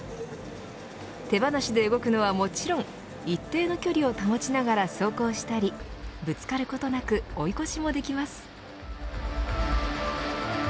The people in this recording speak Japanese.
手放しで動くのはもちろん一定の距離を保ちながら走行したりぶつかることなく追い越しもできます。